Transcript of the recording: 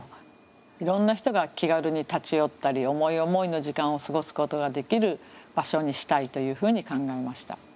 いろんな人が気軽に立ち寄ったり思い思いの時間を過ごすことができる場所にしたいというふうに考えました。